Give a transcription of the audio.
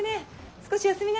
少し休みな。